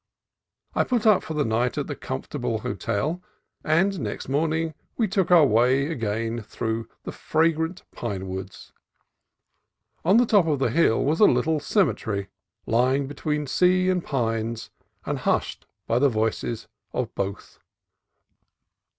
I put up for the night at the comfortable hotel, and next morning we took our way again through the fragrant pine woods. On the top of the hill was a little cemetery, lying between sea and pines and hushed by the voices of both.